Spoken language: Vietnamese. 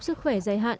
sức khỏe dài hạn